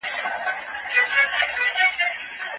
ږغ د منظور ویښ کړل د پېړیو له درانه خوبه